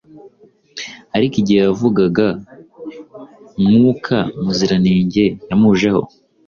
ariko igihe yavugaga, Mwuka Muziranenge yamujeho